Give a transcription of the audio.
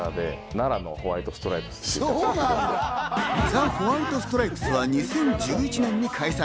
ザ・ホワイト・ストライプスは２０１１年に解散。